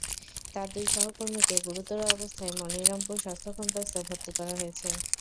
তাঁর দুই সহকর্মীকে গুরুতর অবস্থায় মনিরামপুর স্বাস্থ্য কমপ্লেক্সে ভর্তি করা হয়েছে।